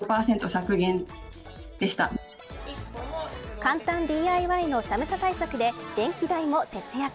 簡単ＤＩＹの寒さ対策で電気代も節約。